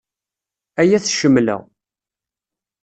Ay at ccemla.